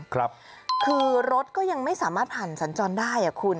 คือรถก็ยังไม่สามารถผ่านสัญจรได้อ่ะคุณ